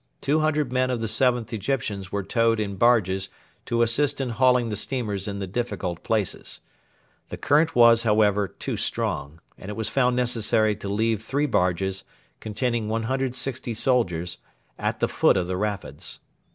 Two hundred men of the 7th Egyptians were towed in barges to assist in hauling the steamers in the difficult places. The current was, however, too strong, and it was found necessary to leave three barges, containing 160 soldiers, at the foot of the rapids.